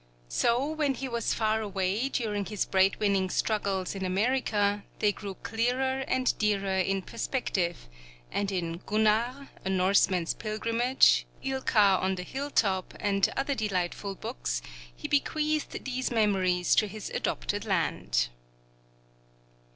So when he was far away, during his bread winning struggles in America, they grew clearer and dearer in perspective; and in 'Gunnar,' 'A Norseman's Pilgrimage,' 'Ilka on the Hilltop,' and other delightful books, he bequeathed these memories to his adopted land.